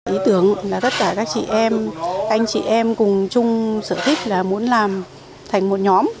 ý tưởng là tất cả các chị em anh chị em cùng chung sở thích là muốn làm thành một nhóm